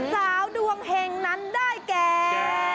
สาวดวงเห็งนั้นได้แก่